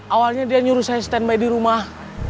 awalnya dia nyuruh saya stand by di rumah